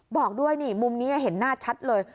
บอกด้วยนี่มุมนี้เห็นหน้าชัดเลย